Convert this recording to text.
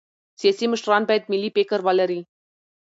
سیاسي مشران باید ملي فکر ولري